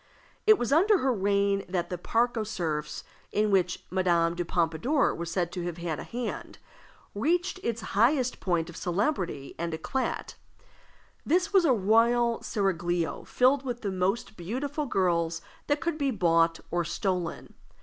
It was under her reign that the Parc aux Cerfs (in which Madame de Pompadour was said to have had a hand), reached its highest point of celebrity and eclat. This was a royal seraglio filled with the most beautiful girls that could be bought or stolen.